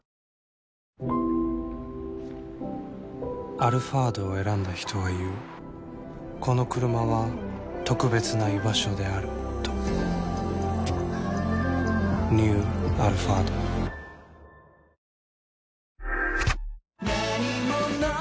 「アルファード」を選んだ人は言うこのクルマは特別な居場所であるとニュー「アルファード」もうさ